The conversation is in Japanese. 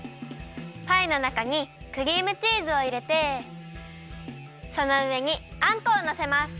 パイのなかにクリームチーズをいれてそのうえにあんこをのせます！